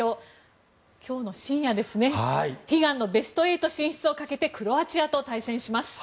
今日の深夜ですね悲願のベスト８進出をかけてクロアチアと戦います。